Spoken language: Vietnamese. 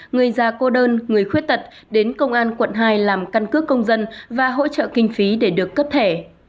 người già cô đơn người khuyết tật đến công an quận hai làm căn cước công dân và hỗ trợ kinh phí để được cấp thẻ